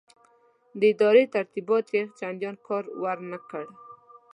د ادارې ترتیبات یې چنداني کار ورنه کړ.